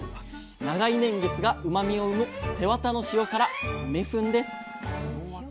長い年月がうまみを生む背わたの塩辛「めふん」です。